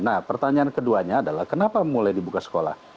nah pertanyaan keduanya adalah kenapa mulai dibuka sekolah